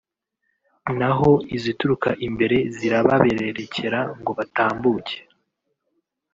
naho izituruka imbere zirababererekera ngo batambuke